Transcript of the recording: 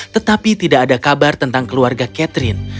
tetapi tidak ada kabar tentang keluarga catherine